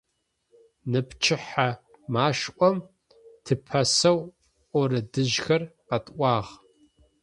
Ныпчыхьэ машӀом тыпэсэу орэдыжъхэр къэтӀуагъ.